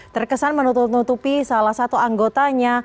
terkesan menutup nutupi salah satu anggotanya